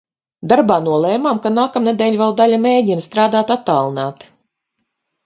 Darbā nolēmām, ka nākamnedēļ vēl daļa mēģina strādāt attālināti.